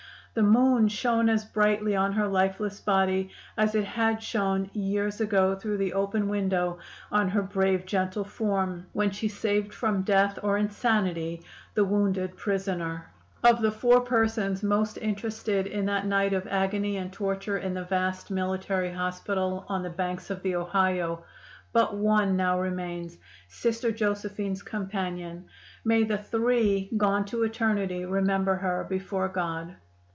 The moon shone as brightly on her lifeless body as it had shone years ago through the open window on her brave, gentle form, when she saved from death or insanity the wounded prisoner. "Of the four persons most interested in that night of agony and torture in the vast military hospital on the banks of the Ohio, but one now remains Sister Josephine's companion. May the three gone to eternity remember her before God."